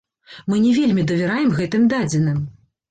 Мы не вельмі давяраем гэтым дадзеным.